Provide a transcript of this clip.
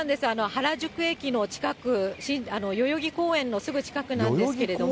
原宿駅の近く、代々木公園のすぐ近くなんですけれども。